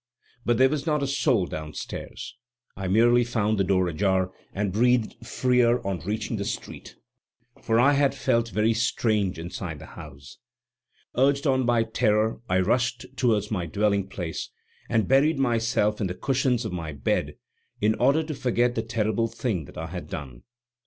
But there was not a soul downstairs. I merely found the door ajar, and breathed freer on reaching the street, for I had felt very strange inside the house. Urged on by terror, I rushed towards my dwelling place, and buried myself in the cushions of my bed, in order to forget the terrible thing that I had done.